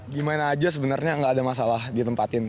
gimana aja sebenarnya nggak ada masalah ditempatin